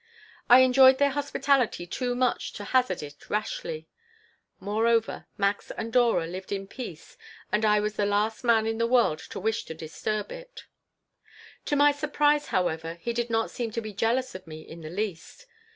I enjoyed their hospitality too much to hazard it rashly. Moreover, Max and Dora lived in peace and I was the last man in the world to wish to disturb it To my surprise, however, he did not seem to be jealous of me in the least.